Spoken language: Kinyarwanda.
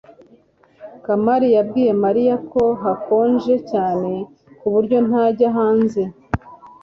kamali yabwiye mariya ko hakonje cyane ku buryo ntajya hanze